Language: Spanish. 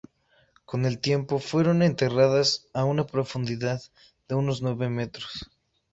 Con el tiempo fueron enterradas a una profundidad de unos nueve metros.